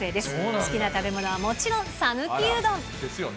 好きな食べ物はもちろんさぬきうどん。